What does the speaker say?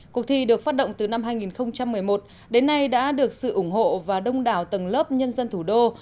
cuộc thi được phát động từ năm hai nghìn một mươi một đến nay đã được sự ủng hộ và đông đảo tầng lớp nhân dân thủ đô